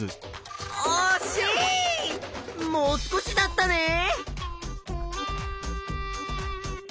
もう少しだったね！